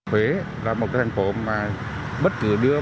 huế là một thành phố mà bất cứ đứa